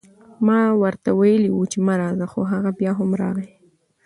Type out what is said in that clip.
ما ورته وئيلي وو چې مه راځه، خو هغه بيا هم راغی